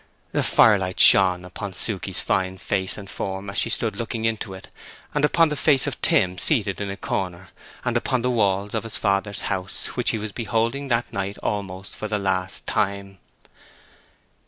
The firelight shone upon Suke's fine face and form as she stood looking into it, and upon the face of Tim seated in a corner, and upon the walls of his father's house, which he was beholding that night almost for the last time.